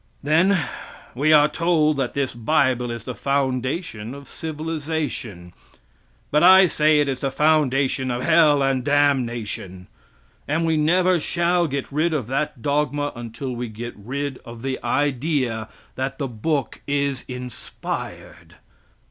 Then we are told that this bible is the foundation of civilization, but I say it is the foundation of hell and damnation!, and we never shall get rid of that dogma until we get rid of the idea that the book is inspired.